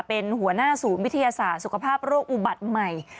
เป็นหัวหน้าศูนย์วิทยาศาสตร์สุขภาพโรคอุบัติใหม่